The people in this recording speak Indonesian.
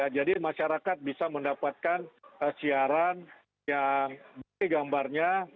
jadi masyarakat bisa mendapatkan siaran yang beri gambarnya